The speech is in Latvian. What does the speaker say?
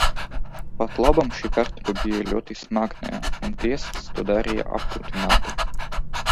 Patlaban šī kārtība bija ļoti smagnēja un tiesas to darīja apgrūtināti.